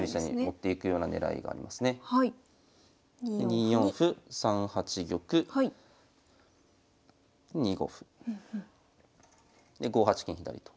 ２四歩３八玉２五歩。で５八金左と。